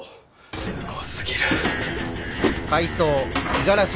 すごすぎる。